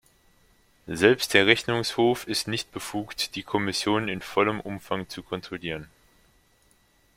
Selbst der Rechnungshof ist nicht befugt, die Kommission in vollem Umfang zu kontrollieren.